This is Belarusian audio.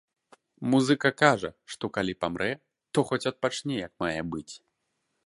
Музыка кажа, што калі памрэ, то хоць адпачне як мае быць.